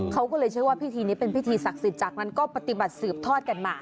เขาก็เลยเชื่อว่าพิธีนี้เป็นพิธีศักดิ์สิทธิ์จากนั้นก็ปฏิบัติสืบทอดกันมา